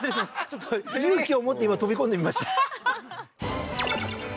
ちょっと勇気を持って今飛び込んでみましたははは